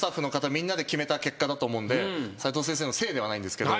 みんなで決めた結果だと思うんで斉藤先生のせいではないんですけど。